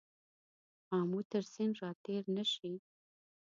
آمو تر سیند را تېر نه شې.